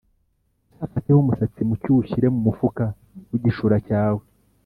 Uzafateho umusatsi muke uwushyire mu mufuka w’igishura cyawe